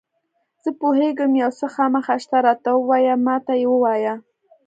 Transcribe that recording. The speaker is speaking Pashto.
زه پوهېږم یو څه خامخا شته، راته ووایه، ما ته یې ووایه.